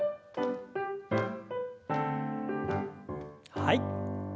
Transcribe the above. はい。